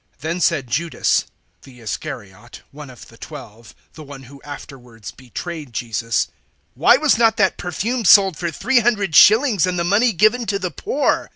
012:004 Then said Judas (the Iscariot, one of the Twelve the one who afterwards betrayed Jesus), 012:005 "Why was not that perfume sold for 300 shillings and the money given to the poor?"